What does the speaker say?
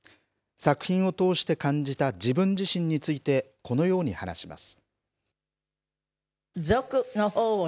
作品を通して感じて自分自身について、このように話します。